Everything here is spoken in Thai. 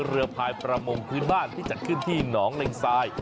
เรือพายประมงพื้นบ้านที่จัดขึ้นที่หนองเล็งทราย